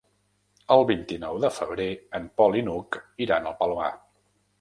El vint-i-nou de febrer en Pol i n'Hug iran al Palomar.